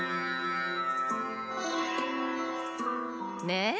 ねえ？